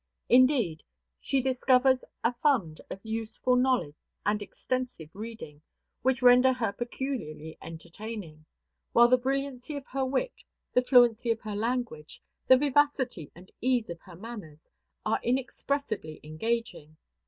Indeed, she discovers a fund of useful knowledge and extensive reading, which render her peculiarly entertaining; while the brilliancy of her wit, the fluency of her language, the vivacity and ease of her manners are inexpressibly engaging.